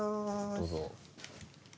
どうぞ。